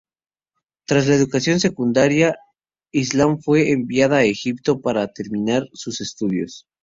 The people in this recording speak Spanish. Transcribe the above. Tras la educación secundaria, Islam fue enviada a Egipto para terminar sus estudios.